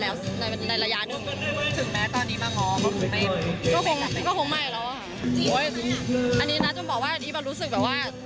อันนี้นะต้องบอกว่าอันนี้แบบรู้สึกแบบว่า